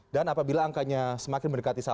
dan apabila angkanya semakin mendekati satu